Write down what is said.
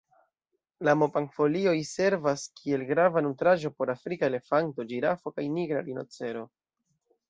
La mopan-folioj servas kiel grava nutraĵo por afrika elefanto, ĝirafo kaj nigra rinocero.